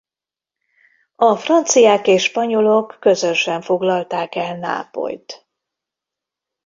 A franciák és spanyolok közösen foglalták el Nápolyt.